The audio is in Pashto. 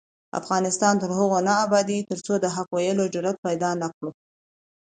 افغانستان تر هغو نه ابادیږي، ترڅو د حق ویلو جرات پیدا نکړو.